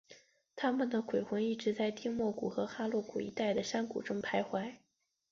他们的鬼魂一直在丁默山和哈洛谷一带的山谷中徘徊。